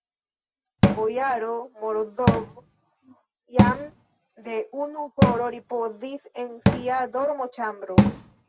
Bojaro Morozov jam de unu horo ripozis en sia dormoĉambro.